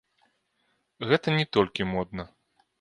Гэта не толькі модна.